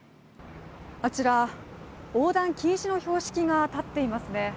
あちら、横断禁止の標識が立っていますね。